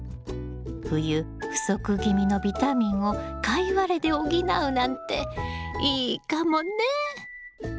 冬不足気味のビタミンをカイワレで補うなんていいかもね！